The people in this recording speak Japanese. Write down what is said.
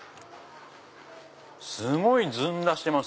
すごいずんだしてます。